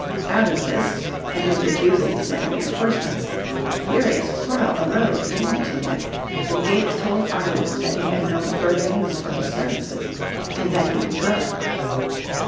Out of this, and his refusal to send reinforcements, a furious quarrel arouse between the two men, and Gates told Arnold that he had no further use for his services and that he could go.